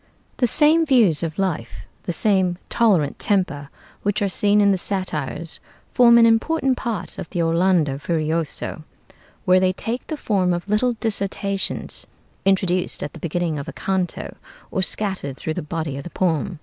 The same views of life, the same tolerant temper, which are seen in the 'Satires,' form an important part of the 'Orlando Furioso,' where they take the form of little dissertations, introduced at the beginning of a canto, or scattered through the body of the poem.